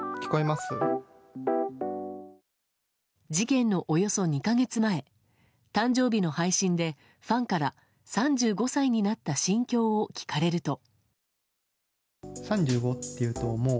事件のおよそ２か月前誕生日の配信でファンから、３５歳になった心境を聞かれると。